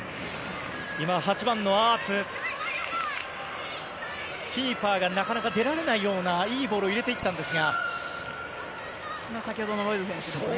８番のアーツはキーパーがなかなか出られないようなボールを入れていったんですが。